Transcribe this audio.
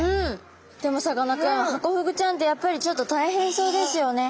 でもさかなクンハコフグちゃんってやっぱりちょっと大変そうですよね。